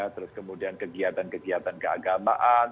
terus kemudian kegiatan kegiatan keagamaan